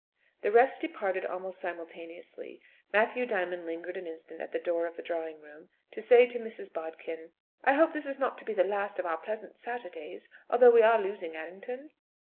The rest departed almost simultaneously. Matthew Diamond lingered an instant at the door of the drawing room, to say to Mrs. Bodkin, "I hope this is not to be the last of our pleasant Saturdays, although we are losing Errington?"